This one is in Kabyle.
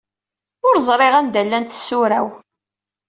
Ur ẓriɣ anda llant tsura-w.